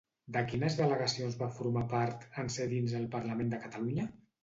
De quines delegacions va formar part, en ser dins el Parlament de Catalunya?